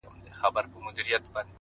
پوه انسان د زده کړې پای نه ویني’